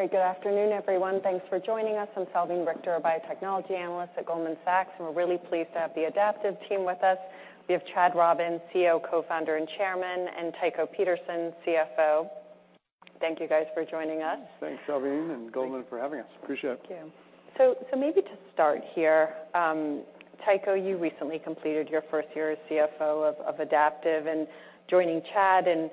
Great. Good afternoon, everyone. Thanks for joining us. I'm Salveen Richter, a biotechnology analyst at Goldman Sachs. We're really pleased to have the Adaptive team with us. We have Chad Robins, CEO, co-founder, and chairman. Tycho Peterson, CFO. Thank you, guys, for joining us. Thanks, Salveen, and Goldman, for having us. Appreciate it. Thank you. Maybe to start here, Tycho, you recently completed your first year as CFO of Adaptive and joining Chad and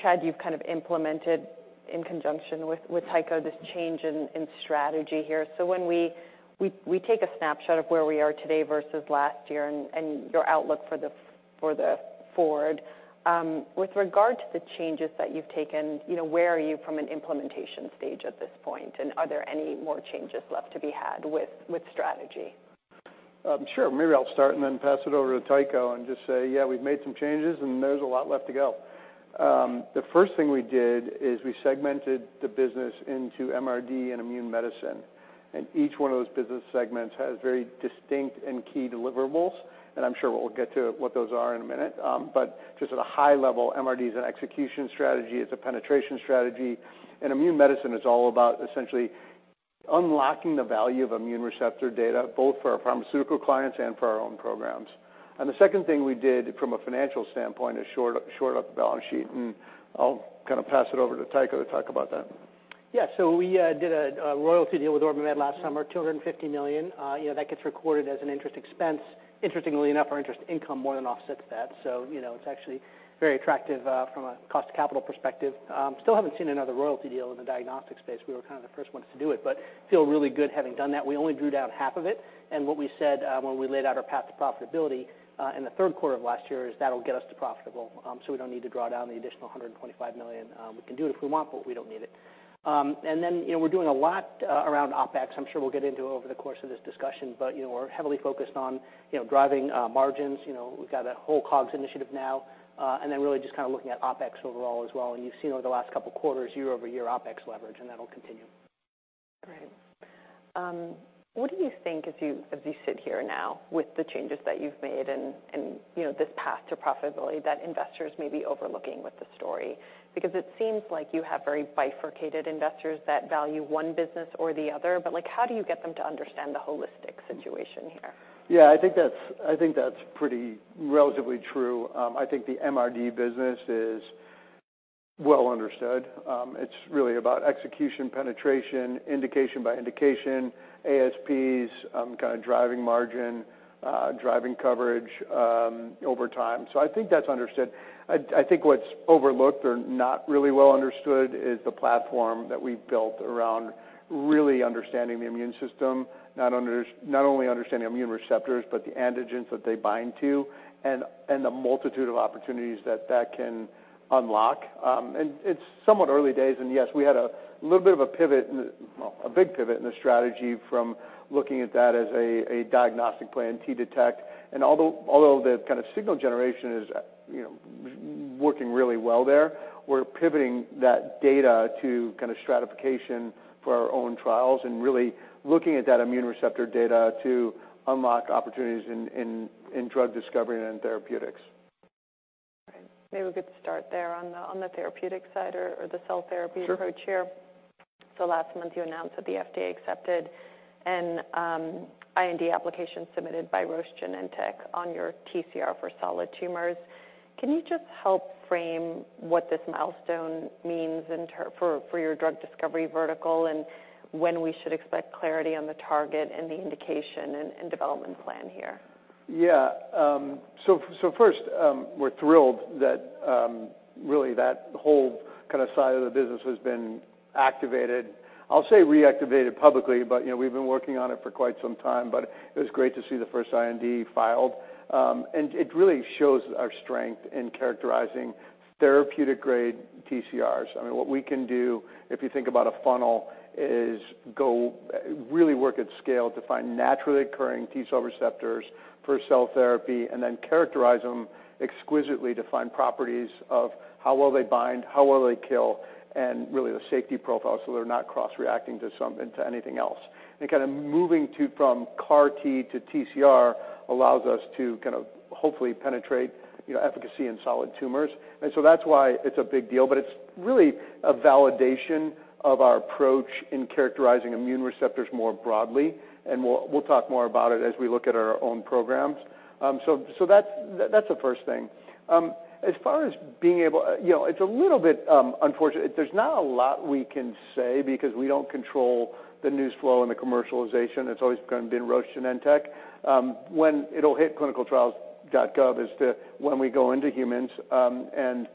Chad, you've kind of implemented in conjunction with Tycho, this change in strategy here. When we take a snapshot of where we are today versus last year and your outlook for the forward, with regard to the changes that you've taken, you know, where are you from an implementation stage at this point, and are there any more changes left to be had with strategy? Sure. Maybe I'll start and then pass it over to Tycho and just say, yeah, we've made some changes, and there's a lot left to go. The first thing we did is we segmented the business into MRD and immune medicine, and each one of those business segments has very distinct and key deliverables, and I'm sure we'll get to what those are in a minute. But just at a high level, MRD is an execution strategy, it's a penetration strategy, and immune medicine is all about essentially unlocking the value of immune receptor data, both for our pharmaceutical clients and for our own programs. The second thing we did from a financial standpoint is short up the balance sheet, and I'll kind of pass it over to Tycho to talk about that. We did a royalty deal with OrbiMed last summer, $250 million. That gets recorded as an interest expense. Interestingly enough, our interest income more than offsets that, so you know, it's actually very attractive from a cost capital perspective. Still haven't seen another royalty deal in the diagnostic space. We were kind of the first ones to do it, but feel really good having done that. We only drew down half of it, and what we said when we laid out our path to profitability in the third quarter of last year, is that'll get us to profitable. We don't need to draw down the additional $125 million. We can do it if we want, but we don't need it. You know, we're doing a lot around OpEx. I'm sure we'll get into it over the course of this discussion, you know, we're heavily focused on, you know, driving, margins. You know, we've got a whole COGS initiative now, and then really just kind of looking at OpEx overall as well. You've seen over the last couple of quarters, year-over-year OpEx leverage, and that'll continue. Great. What do you think as you, as you sit here now with the changes that you've made and, you know, this path to profitability that investors may be overlooking with the story? Because it seems like you have very bifurcated investors that value one business or the other, but, like, how do you get them to understand the holistic situation here? I think that's pretty relatively true. I think the MRD business is well understood. It's really about execution, penetration, indication by indication, ASPs, kind of driving margin, driving coverage over time. I think that's understood. I think what's overlooked or not really well understood is the platform that we've built around really understanding the immune system, not only understanding immune receptors, but the antigens that they bind to, and the multitude of opportunities that can unlock. It's somewhat early days, yes, we had a little bit of a pivot, well, a big pivot in the strategy from looking at that as a diagnostic plan, T-Detect. Although the kind of signal generation is, you know, working really well there, we're pivoting that data to kind of stratification for our own trials and really looking at that immune receptor data to unlock opportunities in drug discovery and therapeutics. Right. Maybe a good start there on the therapeutic side or the. Sure approach here. Last month, you announced that the FDA accepted an IND application submitted by Roche Genentech on your TCR for solid tumors. Can you just help frame what this milestone means for your drug discovery vertical, and when we should expect clarity on the target and the indication and development plan here? First, we're thrilled that really that whole kind of side of the business has been activated. I'll say reactivated publicly, but we've been working on it for quite some time, but it was great to see the first IND filed. It really shows our strength in characterizing therapeutic-grade TCRs. What we can do, if you think about a funnel, is really work at scale to find naturally occurring T-cell receptors for cell therapy, and then characterize them exquisitely to find properties of how well they bind, how well they kill, and really, the safety profile, so they're not cross-reacting into anything else. Kind of moving to, from CAR-T to TCR, allows us to kind of hopefully penetrate efficacy in solid tumors. That's why it's a big deal, but it's really a validation of our approach in characterizing immune receptors more broadly, and we'll talk more about it as we look at our own programs. So that's the first thing. You know, it's a little bit unfortunate. There's not a lot we can say because we don't control the news flow and the commercialization. It's always going to be in Roche Genentech. When it'll hit ClinicalTrials.gov is when we go into humans, and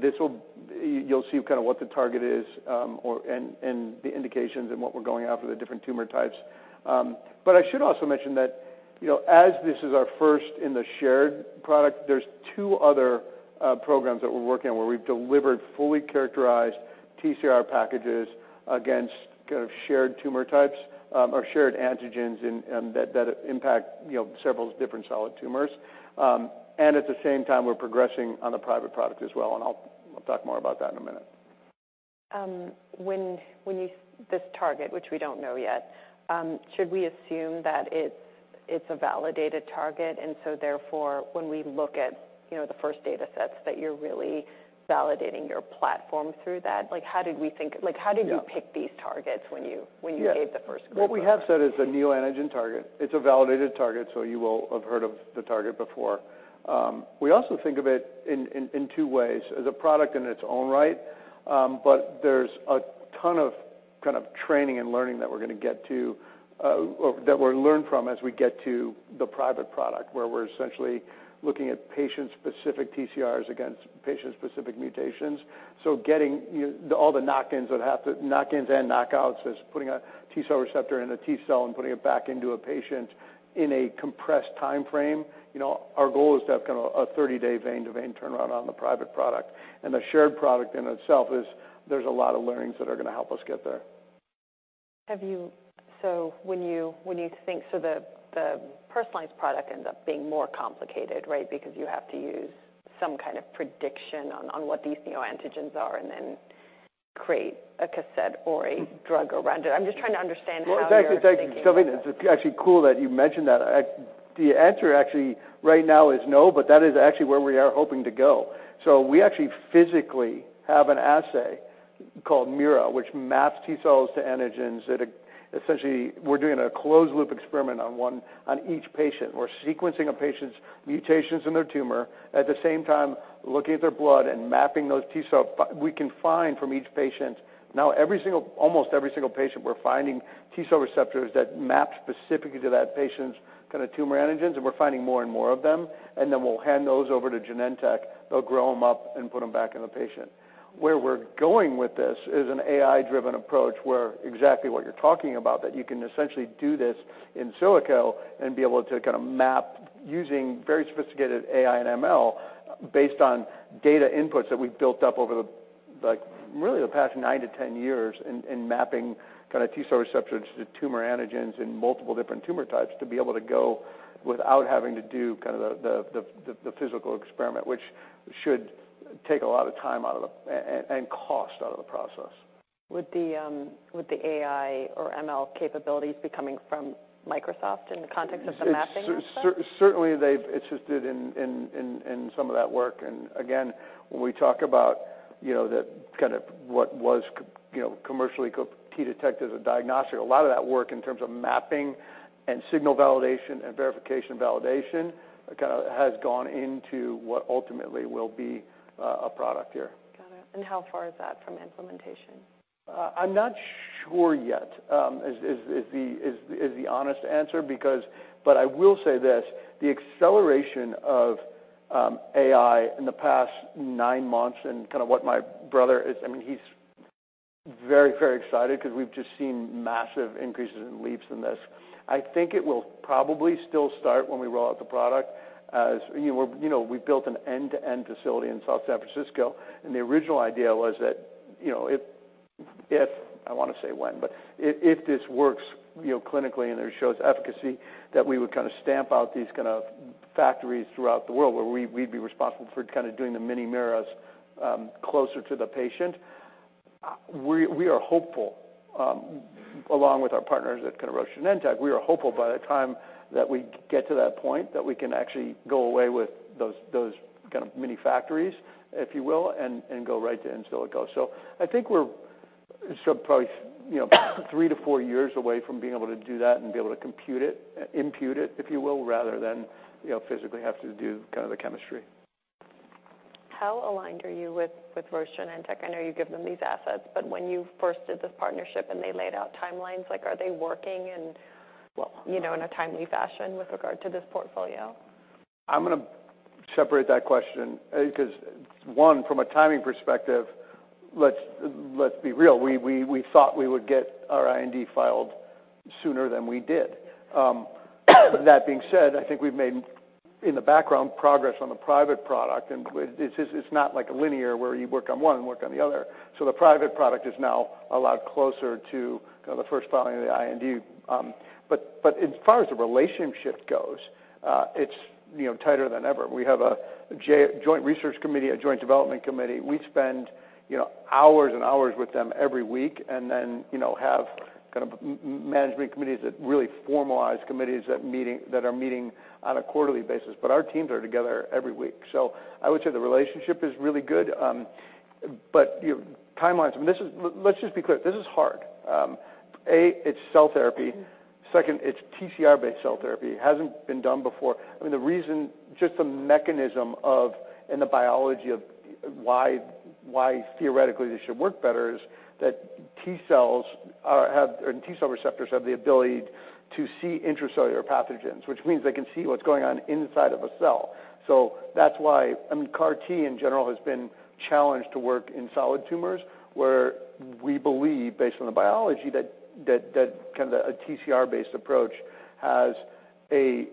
this will, you'll see kind of what the target is, and the indications and what we're going after, the different tumor types. I should also mention that, you know, as this is our first in the shared product, there's two other programs that we're working on, where we've delivered fully characterized TCR packages against kind of shared tumor types, or shared antigens and that impact, you know, several different solid tumors. At the same time, we're progressing on the private product as well, and I'll talk more about that in a minute. When you, this target, which we don't know yet, should we assume that it's a validated target, and so therefore, when we look at, you know, the first data sets, that you're really validating your platform through that? Like, how did we? Yeah. Like, how did you pick these targets when Yeah. When you gave the first group? What we have said is a neoantigen target. It's a validated target, so you will have heard of the target before. We also think of it in two ways: as a product in its own right, but there's a ton of kind of training and learning that we're gonna get to, or that we'll learn from as we get to the private product, where we're essentially looking at patient-specific TCRs against patient-specific mutations. Getting, you, all the knock-ins that have to knock-ins and knockouts, is putting a T-cell receptor in a T-cell and putting it back into a patient in a compressed timeframe. You know, our goal is to have kind of a 30-day vein to vein turnaround on the private product. The shared product in itself is, there's a lot of learnings that are gonna help us get there. When you think, the personalized product ends up being more complicated, right? Because you have to use some kind of prediction on what these neoantigens are, and then create a cassette or a drug around it. I'm just trying to understand how you're thinking about it. Well, thank you, Salveen. It's actually cool that you mentioned that. I, the answer actually right now is no, but that is actually where we are hoping to go. We actually physically have an assay called MIRA, which maps T-cell to antigens, that essentially, we're doing a closed loop experiment on each patient. We're sequencing a patient's mutations in their tumor, at the same time, looking at their blood and mapping those T-cell. We can find from each patient. Now, every single patient, we're finding T-cell receptors that map specifically to that patient's kind of tumor antigens, and we're finding more and more of them, and then we'll hand those over to Genentech. They'll grow them up and put them back in the patient. Where we're going with this is an AI-driven approach, where exactly what you're talking about, that you can essentially do this in silico and be able to kind of map using very sophisticated AI/ML, based on data inputs that we've built up over the, like, really the past 9 to 10 years in mapping kind of T-cell receptors to tumor antigens in multiple different tumor types, to be able to go without having to do kind of the physical experiment, which should take a lot of time out of the, and cost out of the process. Would the AI/ML capabilities be coming from Microsoft in the context of the mapping aspect? It's certainly, they've assisted in some of that work. Again, when we talk about, you know, the kind of what was commercially T-Detect as a diagnostic, a lot of that work in terms of mapping and signal validation and verification validation, kind of has gone into what ultimately will be a product here. Got it. How far is that from implementation? I'm not sure yet, the honest answer because. I will say this, the acceleration of AI in the past nine months and kind of what my brother I mean, he's very, very excited, because we've just seen massive increases in leaps in this. I think it will probably still start when we roll out the product. As you know, we've built an end-to-end facility in South San Francisco, and the original idea was that, you know, if, I want to say when, but if this works, you know, clinically and it shows efficacy, that we would kind of stamp out these kind of factories throughout the world, where we'd be responsible for kind of doing the mini MIRAs closer to the patient. We are hopeful, along with our partners at kind of Roche and Genentech, we are hopeful by the time that we get to that point, that we can actually go away with those kind of mini factories, if you will, and go right to in silico. I think we're sort of probably, you know, three to four years away from being able to do that and be able to compute it, impute it, if you will, rather than, you know, physically have to do kind of the chemistry. How aligned are you with Roche and Genentech? I know you give them these assets, but when you first did this partnership, and they laid out timelines, like, are they working in well, you know, in a timely fashion with regard to this portfolio? I'm gonna separate that question, because one, from a timing perspective, let's be real, we thought we would get our IND filed sooner than we did. That being said, I think we've made, in the background, progress on the private product, and it's not like linear, where you work on one and work on the other. The private product is now a lot closer to kind of the first filing of the IND. But as far as the relationship goes, it's, you know, tighter than ever. We have a joint research committee, a joint development committee. We spend, you know, hours and hours with them every week, and then, you know, have kind of management committees, that really formalize committees, that meeting, that are meeting on a quarterly basis. Our teams are together every week. I would say the relationship is really good. you know, timelines, let's just be clear, this is hard. A, it's cell therapy. Second, it's TCR-based cell therapy. It hasn't been done before. I mean, the reason, just the mechanism of and the biology of why theoretically this should work better, is that T-cell, T-cell receptors have the ability to see intracellular pathogens, which means they can see what's going on inside of a cell. that's why, I mean, CAR-T, in general, has been challenged to work in solid tumors, where we believe, based on the biology, that kind of a TCR-based approach has a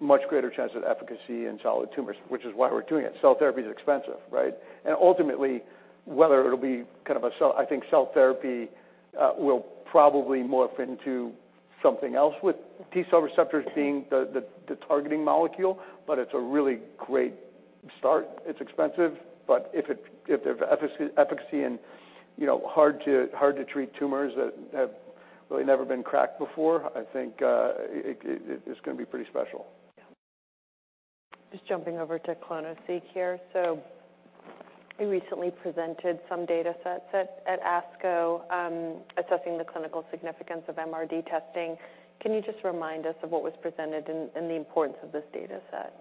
much greater chance of efficacy in solid tumors, which is why we're doing it. Cell therapy is expensive, right? Ultimately, whether it'll be kind of a cell, I think cell therapy will probably morph into something else with T-cell receptors being the targeting molecule, but it's a really great start, it's expensive, but if it, if there's efficacy and, you know, hard to treat tumors that have really never been cracked before, I think, it's gonna be pretty special. Just jumping over to clonoSEQ here. You recently presented some data sets at ASCO, assessing the clinical significance of MRD testing. Can you just remind us of what was presented and the importance of this data set?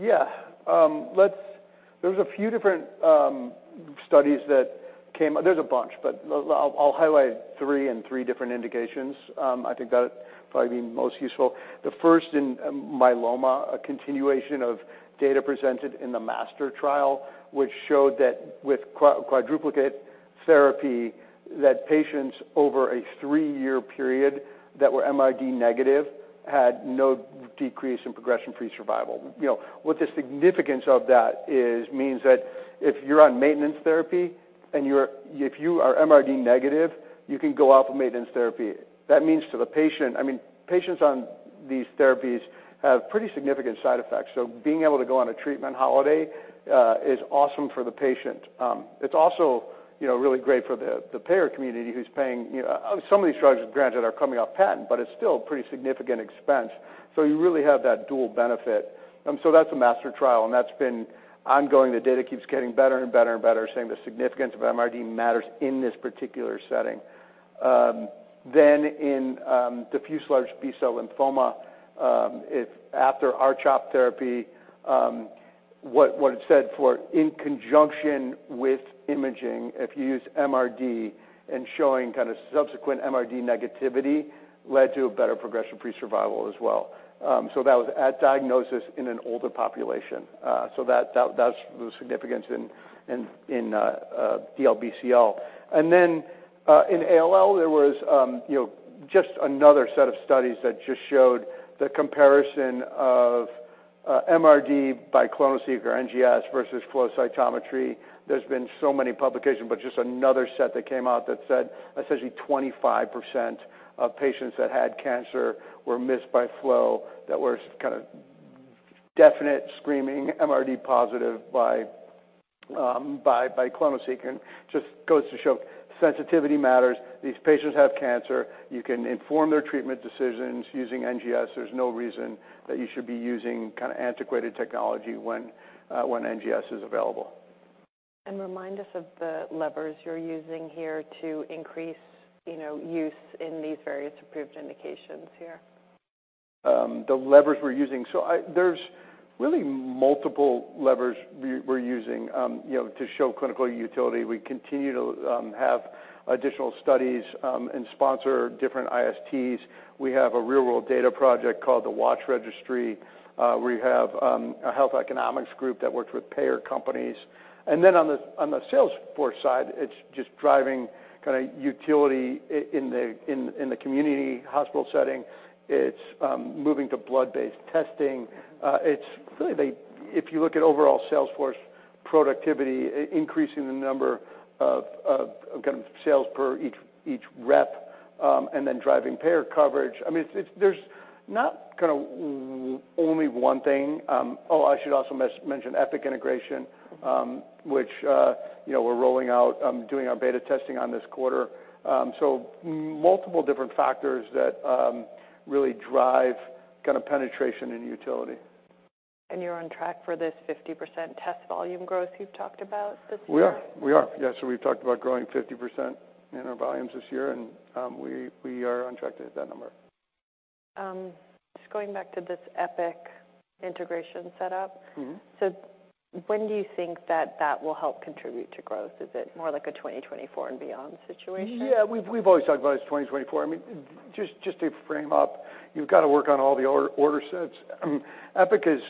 Yeah. There were a few different studies that came. There's a bunch, but I'll highlight three in three different indications. I think that'll probably be most useful. The first, in myeloma, a continuation of data presented in the MASTER trial, which showed that with quadruplet therapy, that patients over a three-year period that were MRD negative, had no decrease in progression-free survival. You know, what the significance of that is, means that if you're on maintenance therapy and if you are MRD negative, you can go off of maintenance therapy. That means to the patient. I mean, patients on these therapies have pretty significant side effects, so being able to go on a treatment holiday, is awesome for the patient. It's also, you know, really great for the payer community who's paying, you know, some of these drugs, granted, are coming off patent, but it's still a pretty significant expense, so you really have that dual benefit. That's a MASTER trial, and that's been ongoing. The data keeps getting better and better and better, saying the significance of MRD matters in this particular setting. In diffuse large B-cell lymphoma, if after R-CHOP therapy, what it said for in conjunction with imaging, if you use MRD and showing kind of subsequent MRD negativity, led to a better progression-free survival as well. That was at diagnosis in an older population. That's the significance in DLBCL. In ALL, there was, you know, just another set of studies that just showed the comparison of MRD by clonoSEQ or NGS versus flow cytometry. There's been so many publications, but just another set that came out that said essentially 25% of patients that had cancer were missed by flow, that were kind of definite screaming MRD positive by clonoSEQ. Just goes to show sensitivity matters. These patients have cancer. You can inform their treatment decisions using NGS. There's no reason that you should be using kind of antiquated technology when NGS is available. Remind us of the levers you're using here to increase, you know, use in these various approved indications here. The levers we're using. There's really multiple levers we're using, you know, to show clinical utility. We continue to have additional studies and sponsor different ISTs. We have a real-world data project called the Watch Registry, where you have a health economics group that works with payer companies. On the sales force side, it's just driving kind of utility in the community hospital setting. It's moving to blood based testing. It's really if you look at overall sales force productivity, increasing the number of sales per each rep, and then driving payer coverage. I mean, it's, there's not kind of only one thing. Oh, I should also mention Epic integration, which, you know, we're rolling out, doing our beta testing on this quarter. Multiple different factors that really drive kind of penetration and utility. You're on track for this 50% test volume growth you've talked about this year? We are. We've talked about growing 50% in our volumes this year, and we are on track to hit that number. Just going back to this Epic integration setup When do you think that that will help contribute to growth? Is it more like a 2024 and beyond situation? Yeah, we've always talked about it as 2024. I mean, just to frame up, you've got to work on all the order sets. Epic is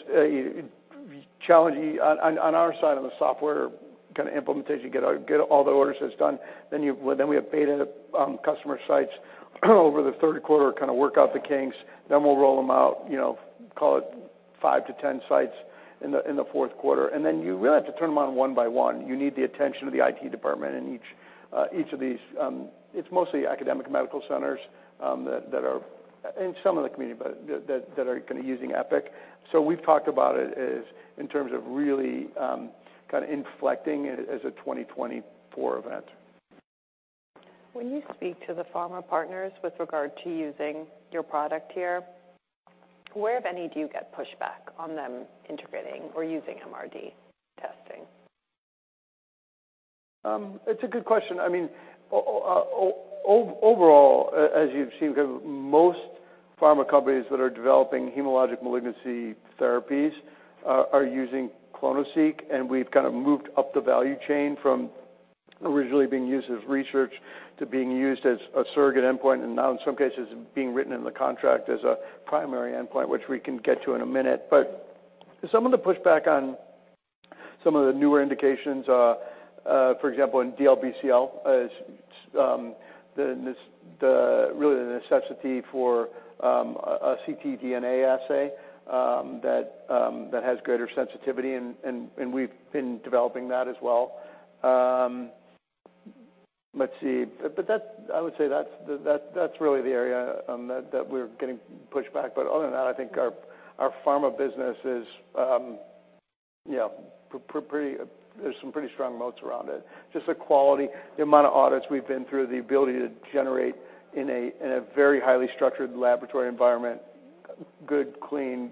challenging on our side of the software kind of implementation, get all the order sets done. Then we have paid customer sites, over the third quarter, kind of work out the kinks, then we'll roll them out, you know, call it 5-10 sites in the fourth quarter. Then you really have to turn them on one by one. You need the attention of the IT department in each of these, it's mostly academic medical centers, that are. Some of the community, but that are kind of using Epic. We've talked about it as, in terms of really, kind of inflecting as a 2024 event. When you speak to the pharma partners with regard to using your product here, where, if any, do you get pushback on them integrating or using MRD testing? It's a good question. I mean, overall, as you've seen, most pharma companies that are developing hematologic malignancy therapies are using clonoSEQ, and we've kind of moved up the value chain from originally being used as research to being used as a surrogate endpoint, and now in some cases, being written in the contract as a primary endpoint, which we can get to in a minute. Some of the pushback on some of the newer indications, for example, in DLBCL, is, the necessity for a ctDNA assay that has greater sensitivity, and we've been developing that as well. Let's see. I would say that's really the area that we're getting pushed back. Other than that, I think our pharma business is, you know, pretty, there's some pretty strong moats around it. Just the quality, the amount of audits we've been through, the ability to generate in a very highly structured laboratory environment, good, clean,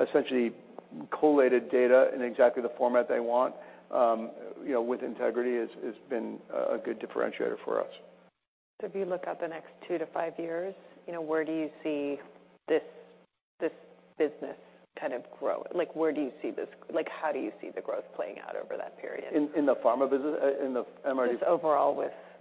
essentially collated data in exactly the format they want, you know, with integrity, has been a good differentiator for us. If you look out the next 2-5 years, you know, where do you see this business kind of grow? Like, how do you see the growth playing out over that period? In the pharma business, in the MRD? Just overall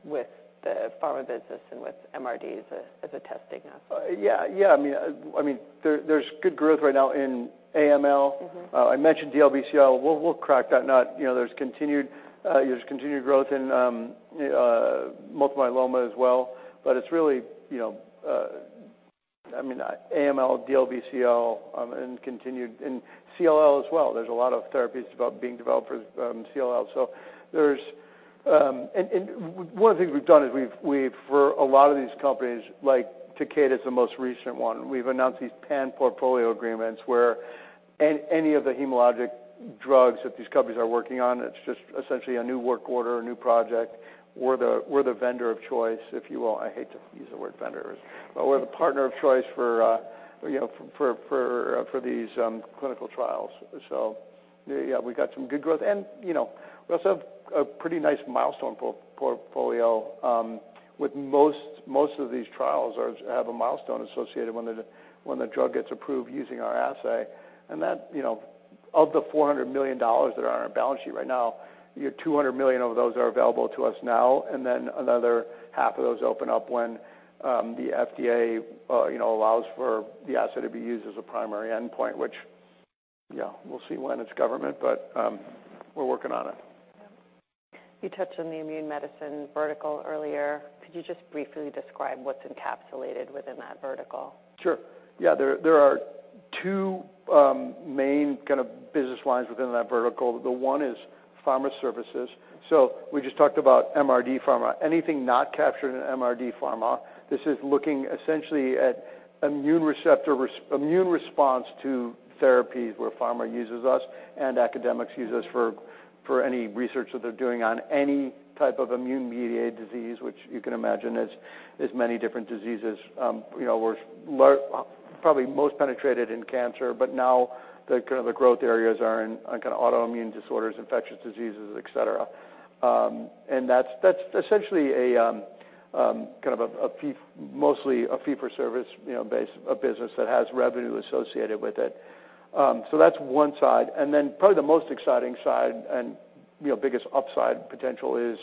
with the pharma business and with MRD as a, as a testing assay. Yeah, I mean, there's good growth right now in AML. I mentioned DLBCL. We'll crack that nut. You know, there's continued, there's continued growth in multiple myeloma as well. It's really, you know, I mean, AML, DLBCL, and continued in CLL as well. There's a lot of therapies being developed for CLL. One of the things we've done is we've, for a lot of these companies, like, Takeda is the most recent one, we've announced these portfolio agreements, where any of the hematologic drugs that these companies are working on, it's just essentially a new work order, a new project. We're the vendor of choice, if you will. I hate to use the word vendors, but we're the partner of choice for, you know, for these clinical trials. Yeah, we've got some good growth. You know, we also have a pretty nice milestone portfolio with most of these trials have a milestone associated when the, when the drug gets approved using our assay. That, you know, of the $400 million that are on our balance sheet right now, you have $200 million of those are available to us now, and then another half of those open up when the FDA, you know, allows for the assay to be used as a primary endpoint, which, yeah, we'll see when it's government, we're working on it. Yeah. You touched on the immune medicine vertical earlier. Could you just briefly describe what's encapsulated within that vertical? Sure. Yeah, there are two main kind of business lines within that vertical. The one is pharma services. We just talked about MRD pharma. Anything not captured in MRD pharma, this is looking essentially at immune receptor immune response to therapies, where pharma uses us, and academics use us for any research that they're doing on any type of immune-mediated disease, which you can imagine is many different diseases. You know, we're probably most penetrated in cancer, but now the kind of the growth areas are in, on kind of autoimmune disorders, infectious diseases, et cetera. That's essentially a kind of a fee, mostly a fee for service, you know, business that has revenue associated with it. That's one side. Probably the most exciting side and, you know, biggest upside potential is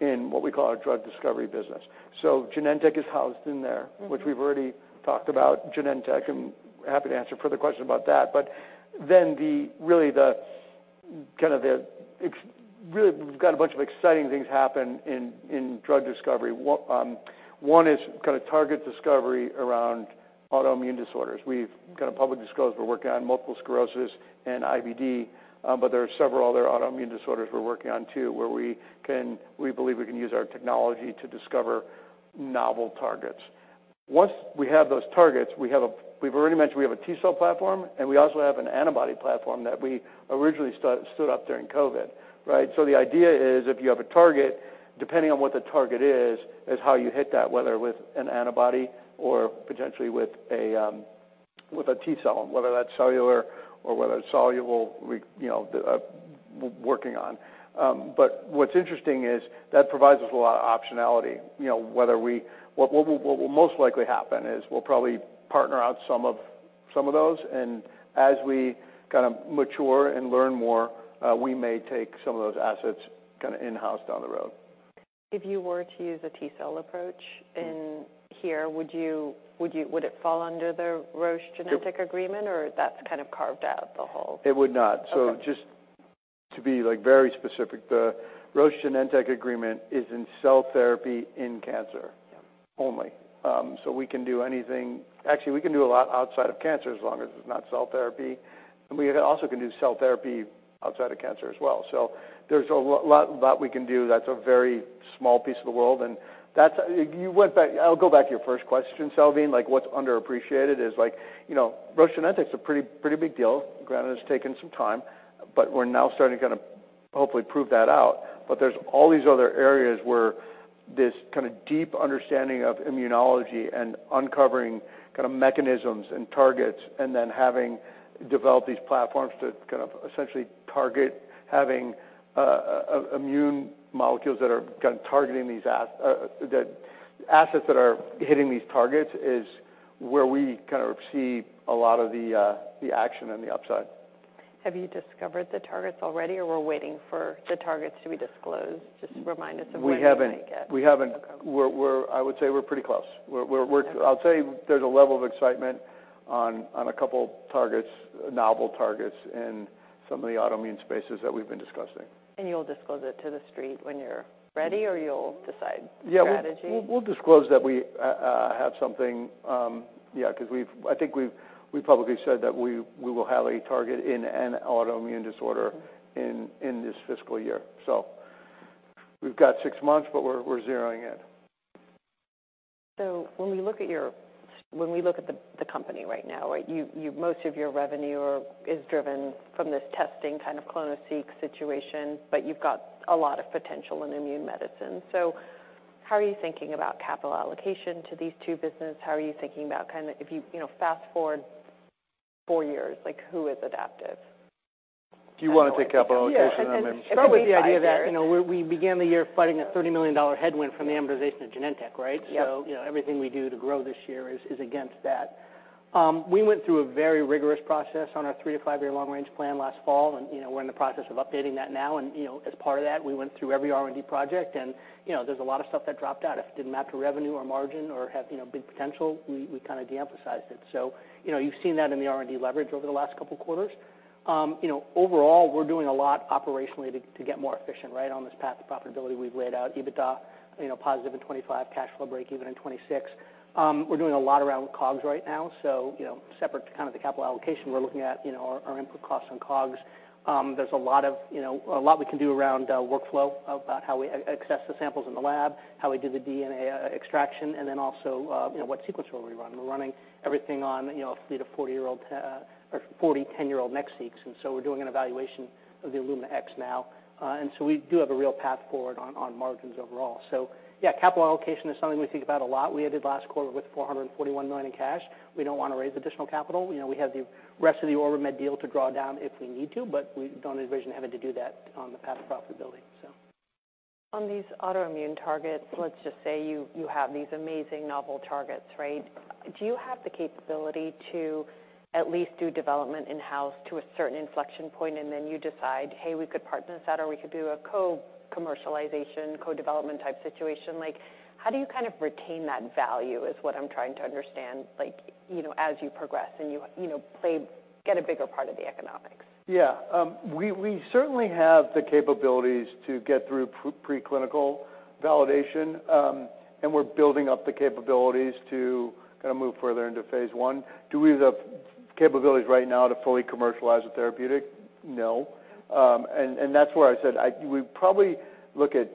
in what we call our drug discovery business. Genentech is housed in there. which we've already talked about Genentech, happy to answer further questions about that. We've got a bunch of exciting things happen in drug discovery. One is kind of target discovery around autoimmune disorders. We've kind of publicly disclosed we're working on multiple sclerosis and IBD, there are several other autoimmune disorders we're working on, too, where we believe we can use our technology to discover novel targets. Once we have those targets, we've already mentioned we have a T-cell platform, and we also have an antibody platform that we originally stood up during COVID, right? The idea is, if you have a target, depending on what the target is how you hit that, whether with an antibody or potentially with a T-cell, and whether that's cellular or whether it's soluble, we, you know, working on. What's interesting is that provides us a lot of optionality, you know, what will most likely happen is we'll probably partner out some of those, and as we kind of mature and learn more, we may take some of those assets kind of in-house down the road. If you were to use a T-cell approach in here, would you, would it fall under the Roche Genentech agreement, or that's kind of carved out the whole? It would not. Okay. Just to be, like, very specific, the Roche Genentech agreement is in cell therapy in cancer. Yeah only. Actually, we can do a lot outside of cancer as long as it's not cell therapy, and we also can do cell therapy outside of cancer as well. There's a lot that we can do, that's a very small piece of the world. You went back. I'll go back to your first question, Salveen, like, what's underappreciated is, you know, Roche Genentech's a pretty big deal. Granted, it's taken some time, but we're now starting to kind of hopefully prove that out. There's all these other areas where this kind of deep understanding of immunology and uncovering kind of mechanisms and targets, and then having developed these platforms to kind of essentially target having immune molecules that are kind of targeting these the assets that are hitting these targets, is where we kind of see a lot of the action and the upside. Have you discovered the targets already, or we're waiting for the targets to be disclosed? Just remind us of where you might get? We haven't. Okay. I would say we're pretty close. We're. Okay. I'll tell you, there's a level of excitement on a couple targets, novel targets, in some of the autoimmune spaces that we've been discussing. You'll disclose it to the street when you're ready, or you'll decide strategy? Yeah, we'll disclose that we have something, yeah, 'cause I think we've publicly said that we will have a target in an autoimmune disorder. in this fiscal year. We've got 6 months, but we're zeroing in. So when we look at the company right now, right, most of your revenue is driven from this testing kind of clonoSEQ situation, but you've got a lot of potential in immune medicine. How are you thinking about capital allocation to these two businesses? How are you thinking about kind of if you know, fast-forward four years, like, who is Adaptive? Do you want to take capital allocation? Yeah, start with the idea that, you know, we began the year fighting a $30 million headwind from the amortization of Genentech, right? Yep. You know, everything we do to grow this year is against that. We went through a very rigorous process on our 3-5 year long range plan last fall, and, you know, we're in the process of updating that now. You know, as part of that, we went through every R&D project, and, you know, there's a lot of stuff that dropped out. If it didn't map to revenue or margin or have, you know, big potential, we kind of de-emphasized it. You know, you've seen that in the R&D leverage over the last couple of quarters. You know, overall, we're doing a lot operationally to get more efficient, right, on this path to profitability we've laid out. EBITDA, you know, positive in 2025, cash flow breakeven in 2026. We're doing a lot around COGS right now, you know, separate to kind of the capital allocation, we're looking at, you know, our input costs on COGS. There's a lot of, you know, a lot we can do around workflow, about how we access the samples in the lab, how we do the DNA extraction, and then also, you know, what sequence rule we run. We're running everything on, you know, a fleet of 40 10-year-old NextSeq, we're doing an evaluation of the NovaSeq X now. We do have a real path forward on margins overall. Yeah, capital allocation is something we think about a lot. We ended last quarter with $441 million in cash. We don't want to raise additional capital. You know, we have the rest of the OrbiMed deal to draw down if we need to, but we don't envision having to do that on the path to profitability, so. On these autoimmune targets, let's just say you have these amazing novel targets, right? Do you have the capability to at least do development in-house to a certain inflection point, and then you decide, "Hey, we could partner this out, or we could do a co-commercialization, co-development type situation?" Like, how do you kind of retain that value, is what I'm trying to understand, like, you know, as you progress and you know, get a bigger part of the economics? Yeah. We certainly have the capabilities to get through preclinical validation, and we're building up the capabilities to kind of move further into phase I. Do we have the capabilities right now to fully commercialize a therapeutic? No. That's where I said we'd probably look at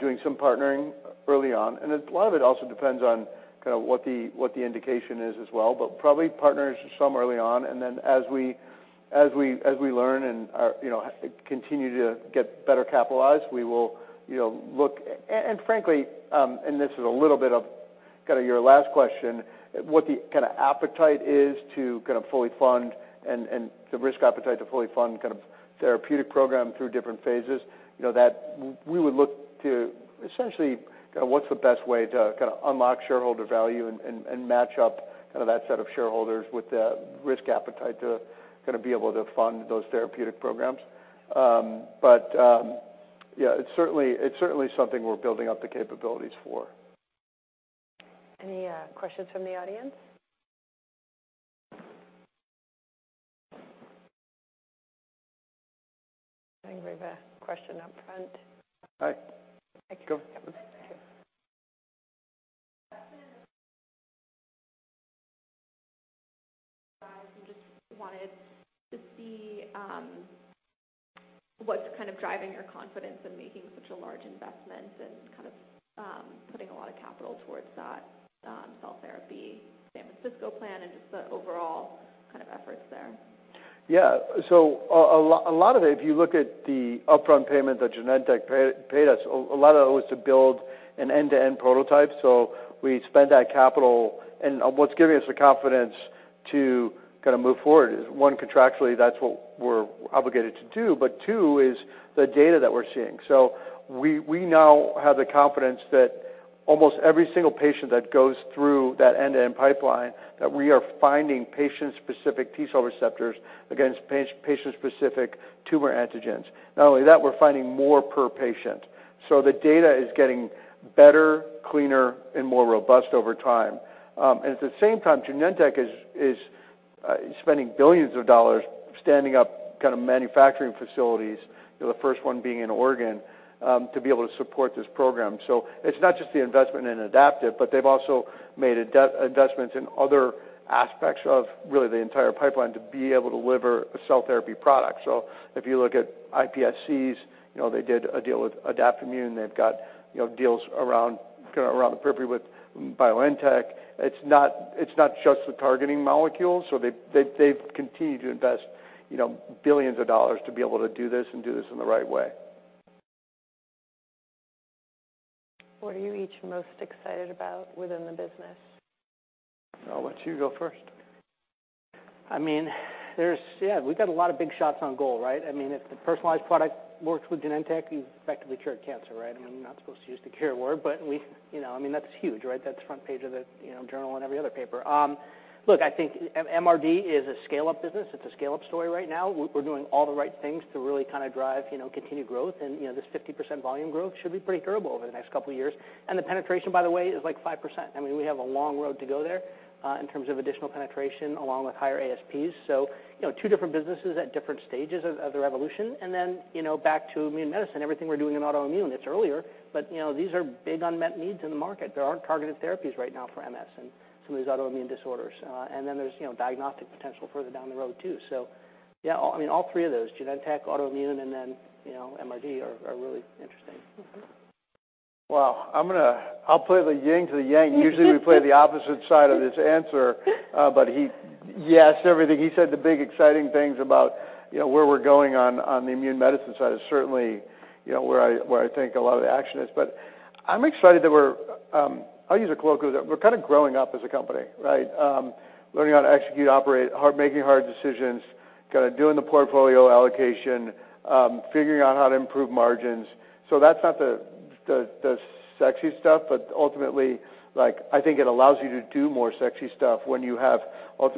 doing some partnering early on. A lot of it also depends on kind of what the indication is as well, but probably partners some early on, as we learn and are, you know, continue to get better capitalized, we will, you know, look. Frankly, and this is a little bit of kind of your last question, what the kind of appetite is to kind of fully fund and the risk appetite to fully fund kind of therapeutic program through different phases, you know, that we would look to essentially kind of what's the best way to kind of unlock shareholder value and match up kind of that set of shareholders with the risk appetite to kind of be able to fund those therapeutic programs. Yeah, it's certainly something we're building up the capabilities for. Questions from the audience? I think we have a question up front. Hi. Go. Afternoon. I just wanted to see, what's kind of driving your confidence in making such a large investment and kind of, putting a lot of capital towards that, cell therapy San Francisco plan, and just the overall kind of efforts there? A lot of it, if you look at the upfront payment that Genentech paid us, a lot of that was to build an end-to-end prototype, so we spent that capital. What's giving us the confidence to kind of move forward is, one, contractually, that's what we're obligated to do, but two, is the data that we're seeing. we now have the confidence that almost every single patient that goes through that end-to-end pipeline, that we are finding patient-specific T-cell receptors against patient-specific tumor antigens. Not only that, we're finding more per patient. The data is getting better, cleaner, and more robust over time. At the same time, Genentech is spending billions of dollars standing up kind of manufacturing facilities, the first one being in Oregon, to be able to support this program. It's not just the investment in Adaptive, but they've also made investments in other aspects of really the entire pipeline to be able to deliver a cell therapy product. If you look at iPSCs, you know, they did a deal with Adaptimmune. They've got, you know, deals around, kind of around the periphery with BioNTech. It's not just the targeting molecules. They've continued to invest, you know, billions of dollars to be able to do this and do this in the right way. What are you each most excited about within the business? I'll let you go first. I mean, there's, we've got a lot of big shots on goal, right? I mean, if the personalized product works with Genentech, we've effectively cured cancer, right? I mean, we're not supposed to use the cure word, but we, you know, I mean, that's huge, right? That's front page of the, you know, journal and every other paper. Look, I think MRD is a scale-up business. It's a scale-up story right now. We're doing all the right things to really kind of drive, you know, continued growth. You know, this 50% volume growth should be pretty durable over the next couple of years. The penetration, by the way, is, like, 5%. I mean, we have a long road to go there, in terms of additional penetration along with higher ASPs. You know, two different businesses at different stages of the revolution, and then, you know, back to immune medicine, everything we're doing in autoimmune, it's earlier, but, you know, these are big unmet needs in the market. There aren't targeted therapies right now for MS and some of these autoimmune disorders, and then there's, you know, diagnostic potential further down the road, too. Yeah, I mean, all three of those, Genentech, autoimmune, and then, you know, MRD are really interesting. Well, I'll play the yin to the yang. Usually, we play the opposite side of this answer. Yes, everything. He said the big, exciting things about, you know, where we're going on the immune medicine side is certainly, you know, where I think a lot of the action is. I'm excited that we're, I'll use a colloquialism, we're kind of growing up as a company, right? Learning how to execute, operate, making hard decisions, kind of doing the portfolio allocation, figuring out how to improve margins. That's not the sexy stuff, but ultimately, like, I think it allows you to do more sexy stuff when you have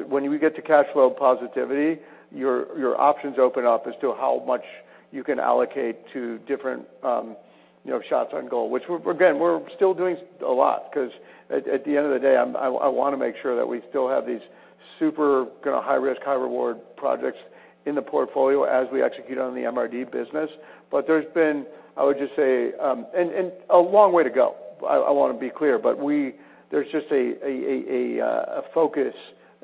when you get to cash flow positivity, your options open up as to how much you can allocate to different, you know, shots on goal, which we're, again, we're still doing a lot because at the end of the day, I wanna make sure that we still have these super, kind of, high risk, high reward projects in the portfolio as we execute on the MRD business. There's been, I would just say, a long way to go. I wanna be clear, but there's just a focus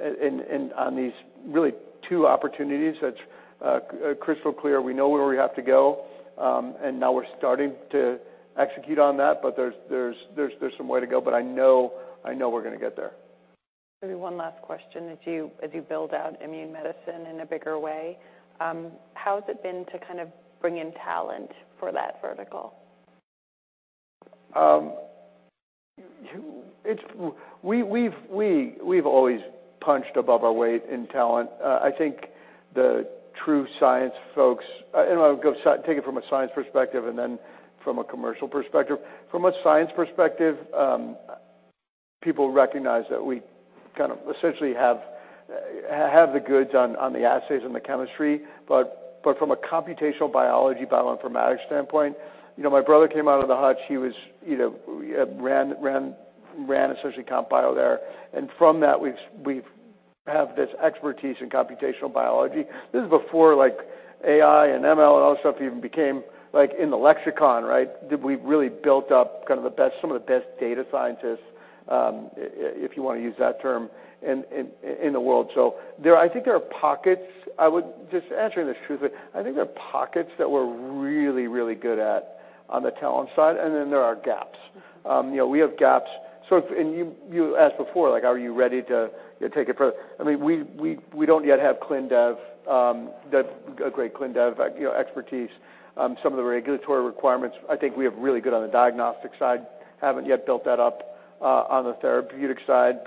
on these really two opportunities that's crystal clear. We know where we have to go, and now we're starting to execute on that. There's some way to go. I know we're gonna get there. Maybe one last question. As you, as you build out immune medicine in a bigger way, how has it been to kind of bring in talent for that vertical? We've always punched above our weight in talent. I think the true science folks. I'll take it from a science perspective and then from a commercial perspective. From a science perspective, people recognize that we kind of essentially have the goods on the assays and the chemistry. From a computational biology, bioinformatics standpoint, you know, my brother came out of the Hutch, he was, you know, ran essentially comp bio there. From that, we've have this expertise in computational biology. This is before, like, AI/ML, and all that stuff even became, like, in the lexicon, right? We've really built up kind of some of the best data scientists, if you want to use that term, in the world. I think there are pockets. Just answering this truthfully, I think there are pockets that we're really, really good at on the talent side, and then there are gaps. You know, we have gaps. And you asked before, like, "Are you ready to take it further?" I mean, we don't yet have clin dev, a great clin dev, like, you know, expertise. Some of the regulatory requirements, I think we are really good on the diagnostic side. Haven't yet built that up on the therapeutic side.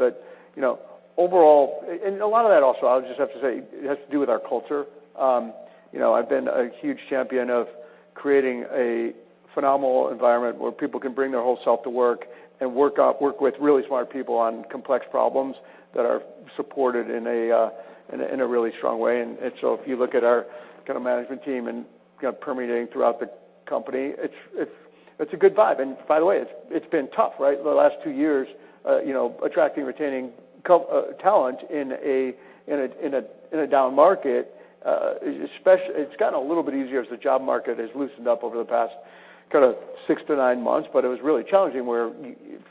You know, overall, and a lot of that also, I would just have to say, it has to do with our culture. You know, I've been a huge champion of creating a phenomenal environment where people can bring their whole self to work, and work with really smart people on complex problems that are supported in a really strong way. If you look at our kind of management team and, kind of, permeating throughout the company, it's a good vibe. By the way, it's been tough, right? The last two years, you know, attracting, retaining talent in a down market, especially. It's gotten a little bit easier as the job market has loosened up over the past kind of 6-9 months, but it was really challenging where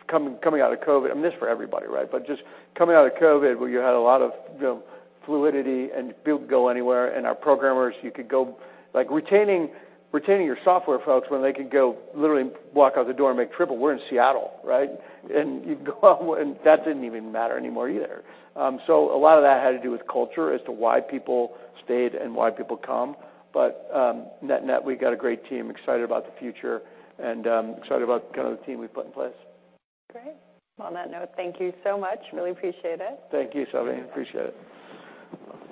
coming out of COVID, I mean, this is for everybody, right? Just coming out of COVID, where you had a lot of, you know, fluidity and people go anywhere, and our programmers, like, retaining your software folks when they could go literally walk out the door and make triple. We're in Seattle, right? You'd go, and that didn't even matter anymore either. A lot of that had to do with culture as to why people stayed and why people come. Net, net, we've got a great team, excited about the future and, excited about the kind of the team we've put in place. Great. Well, on that note, thank you so much. Really appreciate it. Thank you, Salveen Richter. Appreciate it.